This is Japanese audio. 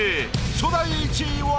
初代１位は？